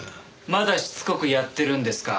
まだしつこくやってるんですか？